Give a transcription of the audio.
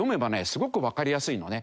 すごくわかりやすいのね。